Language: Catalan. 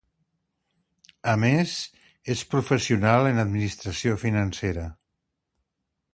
A més, és professional en administració financera.